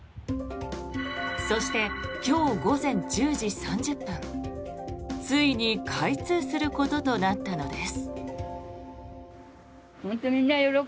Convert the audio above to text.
そして、今日午前１０時３０分ついに開通することとなったのです。